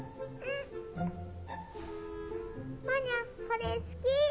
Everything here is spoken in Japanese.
これ好き！